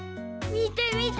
みてみて！